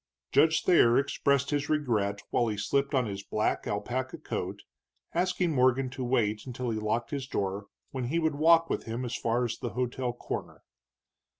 Judge Thayer expressed his regret while he slipped on his black alpaca coat, asking Morgan to wait until he locked his door, when he would walk with him as far as the hotel corner.